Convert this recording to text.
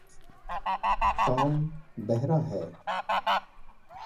Tom بہرہ ہے